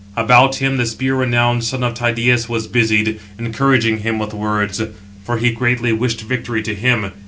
About him the spear renowned son of Tydeus was busied, encouraging him with words, for he greatly wished victory to him.